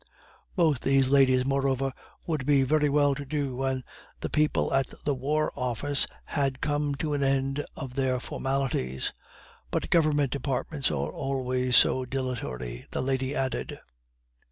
Both these ladies, moreover, would be very well to do when the people at the War Office had come to an end of their formalities. "But Government departments are always so dilatory," the lady added.